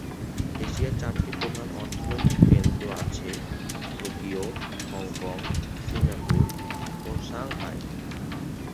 এশিয়ার চারটি প্রধান অর্থনৈতিক কেন্দ্র আছেঃ টোকিও, হংকং, সিঙ্গাপুর ও সাংহাই।